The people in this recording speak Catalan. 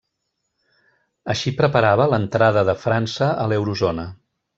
Així preparava l'entrada de França a l'eurozona.